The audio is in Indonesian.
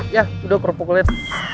ya udah kerupuk liat